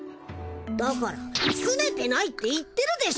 だからすねてないって言ってるでしょ！